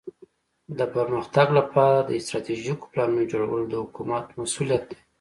د پرمختګ لپاره د استراتیژیکو پلانونو جوړول د حکومت مسؤولیت دی.